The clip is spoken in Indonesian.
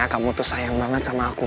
kamu tuh sayang banget sama aku